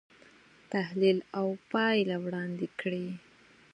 تحلیل او پایله وړاندې کړي.